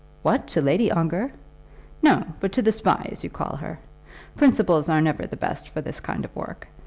"What; to Lady Ongar?" "No; but to the Spy, as you call her. Principals are never the best for this kind of work.